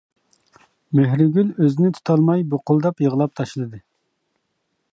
مېھرىگۈل ئۆزىنى تۇتالماي بۇقۇلداپ يىغلاپ تاشلىدى.